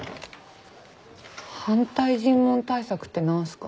反対尋問対策ってなんすか？